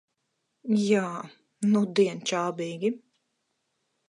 Jā, nudien čābīgi.